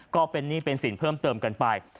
ก็เป็นหนี้เป็นสินเพิ่มเติมกันไป